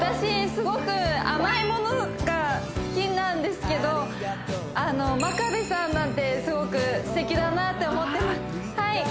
すごく甘いものが好きなんですけど真壁さんなんてすごくすてきだなって思ってます